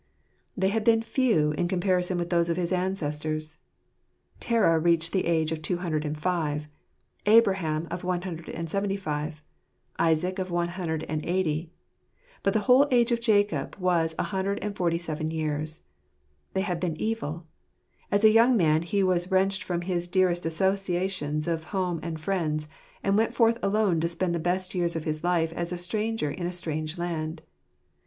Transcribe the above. They had been Jew in comparison with those of his ancestors. Terah reached the age of 205; Abraham of 175; Isaac of 180. But "the whole age of Jacob was an hundred forty and seven years." They had been evil. As a young man he was wrenched from his dearest associations of home and friends, and went forth alone to spend the best years of his life as a stranger in a strange land.